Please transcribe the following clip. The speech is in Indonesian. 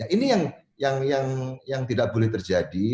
ini yang tidak boleh terjadi